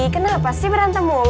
kenapa sih berantem mulu obynya